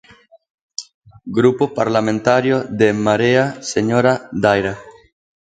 Grupo Parlamentario de En Marea, señora Daira.